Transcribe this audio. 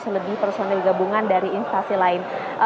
kemudian tiga personil gabungan yang terdiri dari empat belas tni